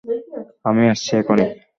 আমি আসছি এখনি!